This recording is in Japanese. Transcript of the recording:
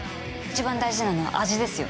一番大事なのは味ですよ。